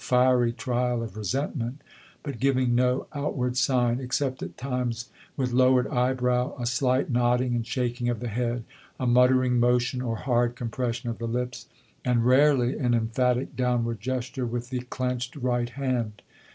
fiery trial of resentment — but giving no outward sign, except at times with lowered eyebrow, a slight nodding and shaking of the head, a mutter ing motion or hard compression of the lips, and, THE CALL TO ARMS 71 rarely, an emphatic downward gesture with the chap. iv. clenched right hand.